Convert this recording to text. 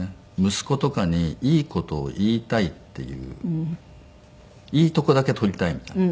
息子とかにいい事を言いたいっていういいとこだけ取りたいみたいな。